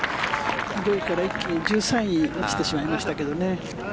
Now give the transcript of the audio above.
一気に１３位に落ちてしまいましたけどね。